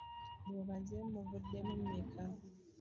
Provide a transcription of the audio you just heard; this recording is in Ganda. Bw'obazeemu muvuddemu mmeka?